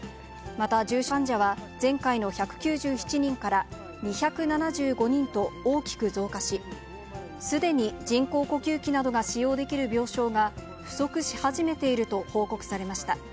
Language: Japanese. また、重症患者は前回の１９７人から２７５人と、大きく増加し、すでに人工呼吸器などが使用できる病床が不足し始めていると報告されました。